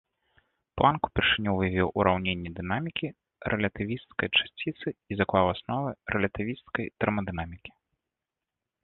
Планк упершыню вывеў ураўненні дынамікі рэлятывісцкай часціцы і заклаў асновы рэлятывісцкай тэрмадынамікі.